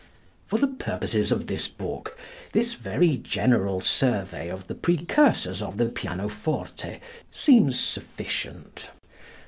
For the purposes of this book this very general survey of the precursors of the pianoforte seems sufficient.